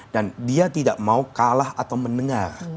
dan dia tidak mau kalah atau mendengar